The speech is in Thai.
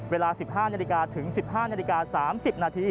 เวลา๑๕นถึง๑๕น๓๐น